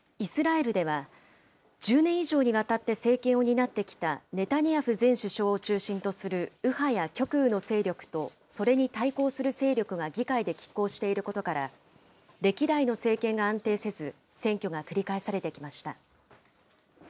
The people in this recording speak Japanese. イスラエルでは、１０年以上にわたって政権を担ってきたネタニヤフ前首相を中心とする右派や極右の勢力と、それに対抗する勢力が議会できっ抗していることから、歴代の政権が安定せず、選挙が繰り返されてきました。